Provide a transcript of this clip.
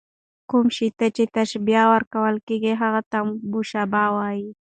کوم شي ته چي تشبیه ورکول کېږي؛ هغه ته مشبه وايي.